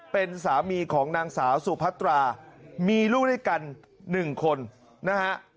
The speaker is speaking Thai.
เป็นสามีของนางสาวสุพัตรามีลูกด้วยกัน๑คนนะฮะ